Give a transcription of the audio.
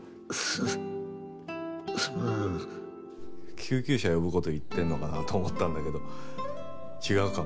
救急車呼ぶ事を言ってんのかなと思ったんだけど違うかも。